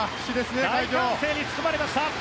大歓声に包まれました。